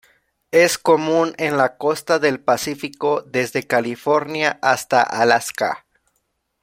Es común en la costa del Pacífico desde California hasta Alaska.